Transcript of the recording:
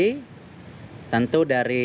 mas ini tadi tadi